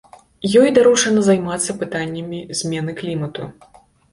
Ёй даручана займацца пытаннямі змены клімату.